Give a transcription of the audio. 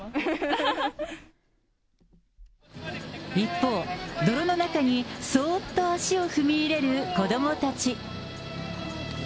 一方、泥の中にそーっと足を踏み入れる子どもたち。